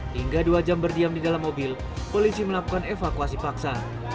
hingga dua jam berdiam di dalam mobil polisi melakukan evakuasi paksa